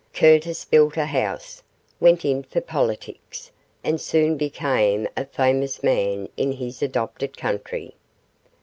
Curtis built a house, went in for politics, and soon became a famous man in his adopted country.